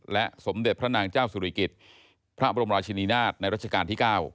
และสมเด็จพระนางเจ้าสุริกิจพระบรมราชินินาศในรัชกาลที่๙